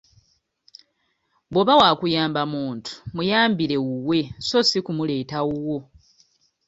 Bwo'ba wakuyamba muntu muyambire wuwe so si kumuleeta wuwo.